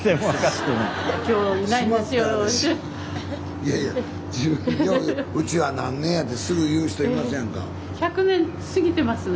いやいや「うちは何年や」てすぐ言う人いますやんか。